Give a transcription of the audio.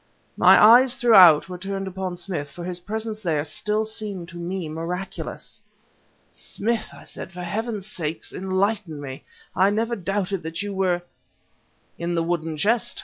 My eyes, throughout, were turned upon Smith, for his presence there, still seemed to me miraculous. "Smith," I said, "for Heaven's sake enlighten me! I never doubted that you were ..." "In the wooden chest!"